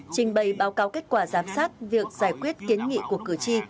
trình bày báo cáo kết quả giám sát việc giải quyết kiến nghị của cử tri